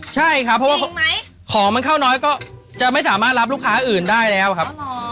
ใช่ครับเพราะว่าของมันเข้าน้อยก็จะไม่สามารถรับลูกค้าอื่นได้แล้วครับ